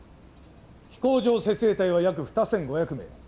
飛行場設営隊は約２，５００名。